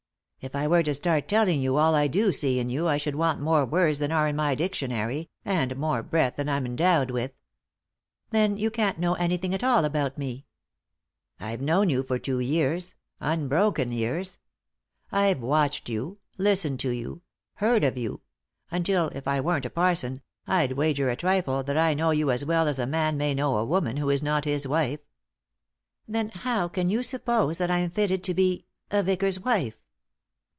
" If I were to start telling you all I do see in you I should want more words than are in my dictionary, and more breath than I'm endowed with." " Then you can't know anything at all about me." " I've known you for two years ; unbroken years. I've watched you ; listened to you ; heard of you ; until, if I weren't a parson, I'd wager a trifle that I know you as well as a man may know a woman who is not his wife." " Then how can you suppose that I am fitted to be — a vicar's wife